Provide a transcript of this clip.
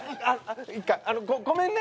ごごめんね。